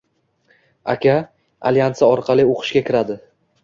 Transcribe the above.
aka» alyansi orqali o‘qishga kiradi.